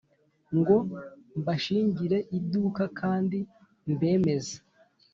ngo mbashingire iduka kandi mbemeze